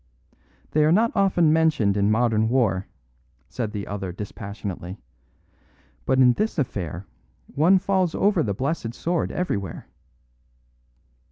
"They are not often mentioned in modern war," said the other dispassionately; "but in this affair one falls over the blessed sword everywhere."